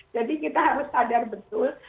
jadi kita harus sadar betul